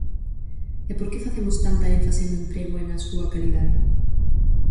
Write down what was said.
¿E por que facemos tanta énfase no emprego e na súa calidade?